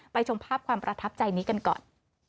ชมภาพความประทับใจนี้กันก่อน